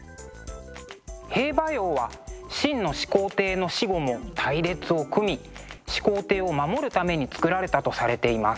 兵馬俑は秦の始皇帝の死後も隊列を組み始皇帝を守るために作られたとされています。